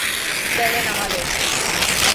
پہلے نہا لو ـ